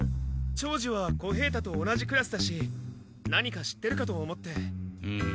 長次は小平太と同じクラスだし何か知ってるかと思って。